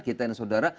kita ini saudara